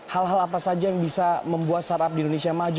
hal hal apa saja yang bisa membuat startup di indonesia maju